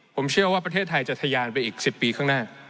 ผมเชื่อว่าประเทศไทยจะทะยานไปอีก๑๐ปีข้างหน้า